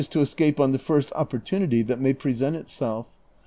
341 to escape on the first opportunity tli. it may present itself.